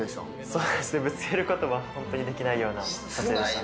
そうですねぶつけることはホントにできないような撮影でした。